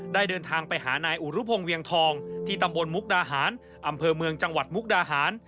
เดินทางไปหานายอุรุพงศ์เวียงทองที่ตำบลมุกดาหารอำเภอเมืองจังหวัดมุกดาหาร